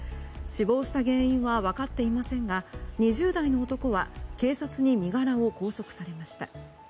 死亡した原因は分かっていませんが２０代の男は警察に身柄を拘束されました。